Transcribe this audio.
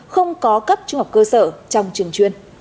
không có cấp trung học cơ sở trong trường chuyên